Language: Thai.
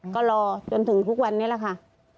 ก็รอจนถึงทุกวันนี้แหละค่ะ